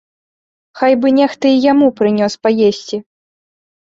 Хай бы нехта і яму прынёс паесці.